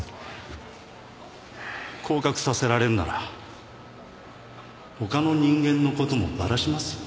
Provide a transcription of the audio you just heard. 降格させられるなら他の人間の事もバラしますよ。